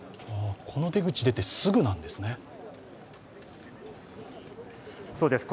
この出口を出て、すぐなんですね